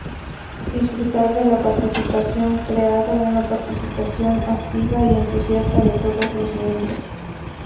Disfrutar de la Participación; creando una participación activa y entusiasta de todos los miembros.